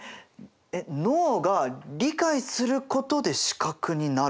えっ脳が理解することで視覚になる？